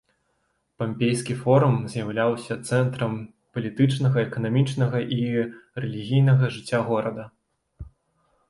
Пампейскі форум з'яўляўся цэнтрам палітычнага, эканамічнага і рэлігійнага жыцця горада.